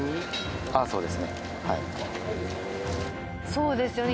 そうですよね。